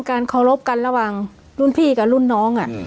เคารพกันระหว่างรุ่นพี่กับรุ่นน้อง